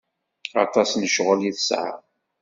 Aṭas n ccɣel i tesɛa.